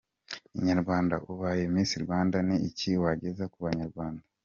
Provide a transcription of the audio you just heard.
InyaRwanda: Ubaye Miss Rwanda ni iki wageza ku banyarwanda?.